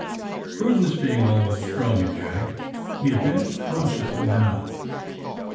Prudence being always strong in Jack, he ad vanced cautiously now.